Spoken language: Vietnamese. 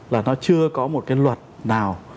là nó chưa có một cái luật nào